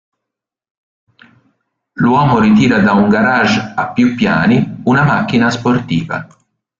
L’uomo ritira da un garage a più piani una macchina sportiva.